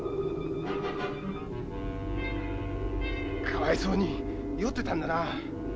かわいそうに酔ってたんだな。